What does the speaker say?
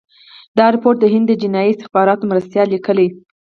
دا رپوټ د هند د جنايي استخباراتو مرستیال لیکلی.